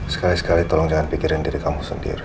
sekali sekali tolong jangan pikirin diri kamu sendiri